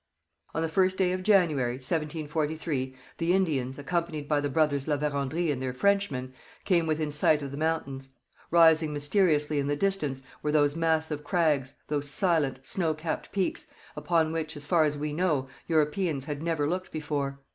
On the first day of January 1743, the Indians, accompanied by the brothers La Vérendrye and their Frenchmen, came within sight of the mountains. Rising mysteriously in the distance were those massive crags, those silent, snow capped peaks, upon which, as far as we know, Europeans had never looked before.